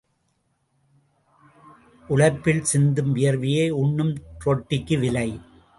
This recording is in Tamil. உழைப்பில் சிந்தும் வியர்வையே உண்ணும் ரொட்டிக்கு விலை.